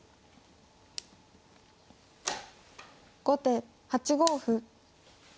後手８五歩。